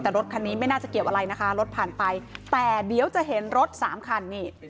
แต่รถคันนี้ไม่น่าจะเกี่ยวอะไรนะคะรถผ่านไปแต่เดี๋ยวจะเห็นรถสามคันนี่